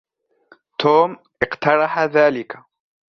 توم أقترحَ ذَلك.